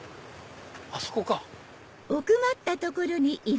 あそこか。